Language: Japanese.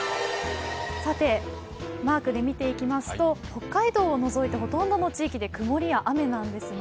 さてマークで見ていきますと、北海道を除いてほとんどの地域で曇りや雨なんですね。